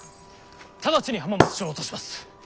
直ちに浜松城を落とします。